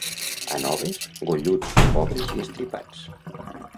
A Noves, golluts, pobres i estripats.